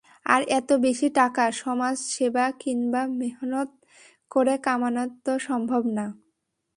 আর এতো বেশি টাকা, সমাজ সেবা কিংবা মেহনত করে কামানো তো সম্ভব না।